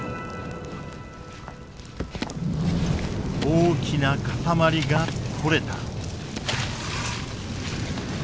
大きな塊が取れた。